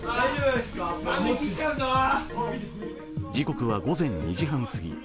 時刻は午前２時半すぎ。